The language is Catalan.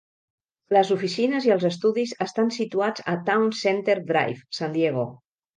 Les oficines i els estudis estan situats a Towne Center Drive, San Diego.